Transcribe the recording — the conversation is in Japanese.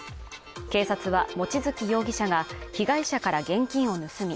警察は望月容疑者が被害者から現金を盗み